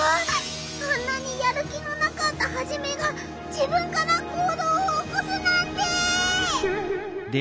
あんなにやる気のなかったハジメが自分から行どうをおこすなんて！